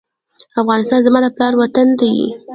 افغانستان زما د پلار وطن دی